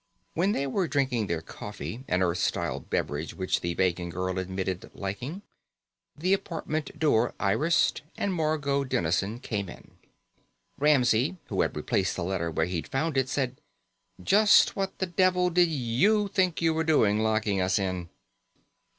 When they were drinking their coffee, an Earth style beverage which the Vegan girl admitted liking, the apartment door irised and Margot Dennison came in. Ramsey, who had replaced the letter where he'd found it, said: "Just what the devil did you think you were doing, locking us in?"